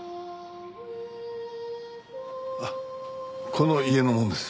この家の者です。